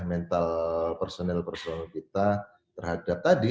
mental personel personel kita terhadap tadi